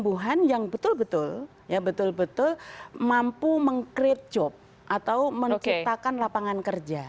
dan yang betul betul ya betul betul mampu meng create job atau menciptakan lapangan kerja